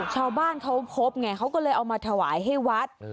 ชาวบ้านเขาครบเลยเขาเอามาถาวายให้วัด